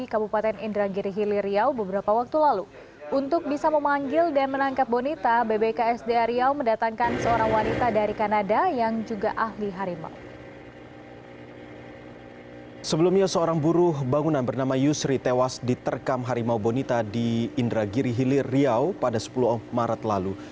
sebelumnya seorang buruh bangunan bernama yusri tewas diterkam harimau bonita di indra giri hilir riau pada sepuluh maret lalu